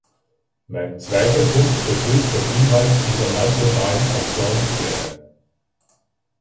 Mein zweiter Punkt betrifft den Inhalt dieser nationalen Aktionspläne.